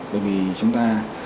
bởi vì chúng ta